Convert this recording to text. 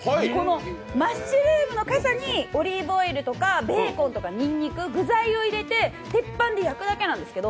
マッシュルームのかさにオリーブオイルとかベーコンとかニンニクなどの具材を入れて鉄板で焼くだけなんですけど、